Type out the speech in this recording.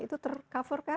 itu tercover kah